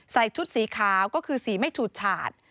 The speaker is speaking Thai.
ชุดสีขาวก็คือสีไม่ฉูดฉาด